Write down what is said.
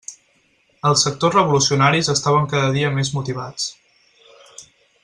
Els sectors revolucionaris estaven cada dia més motivats.